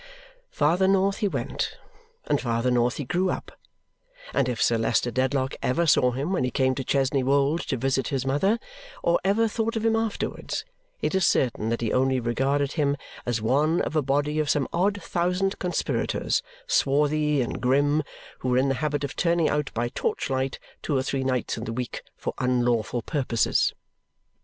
Farther north he went, and farther north he grew up; and if Sir Leicester Dedlock ever saw him when he came to Chesney Wold to visit his mother, or ever thought of him afterwards, it is certain that he only regarded him as one of a body of some odd thousand conspirators, swarthy and grim, who were in the habit of turning out by torchlight two or three nights in the week for unlawful purposes.